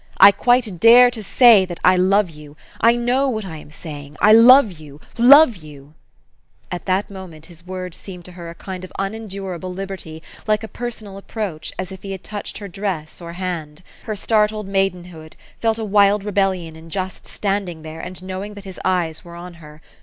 " I quite dare to say that I love you. I know what I am saying. I love you, love you !" At that moment his words seemed to her a kind of unendurable liberty, like personal approach, as if he had touched her dress or hand. Her startled maidenhood felt a wild rebellion in just standing there, and knowing that his eyes were on her.